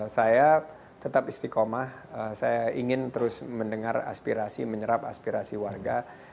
saya tetap istiqomah saya ingin terus mendengar aspirasi menyerap aspirasi warga